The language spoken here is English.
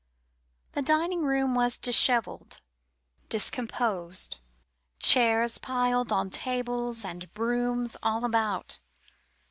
The dining room was dishevelled, discomposed; chairs piled on tables and brooms all about.